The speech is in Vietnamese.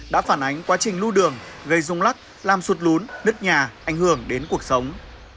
đã phản ánh quá trình lưu đường gây rung lắc làm sụt lún nứt nhà ảnh hưởng đến cuộc sống